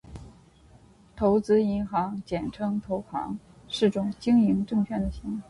投资银行，简称投行，是种以经营证券业务为主的金融机构